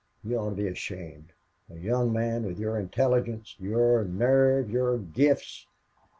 You ought to be ashamed. A young man with your intelligence, your nerve, your gifts!